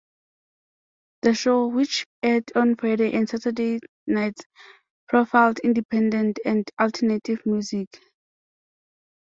The show, which aired on Friday and Saturday nights, profiled independent and alternative music.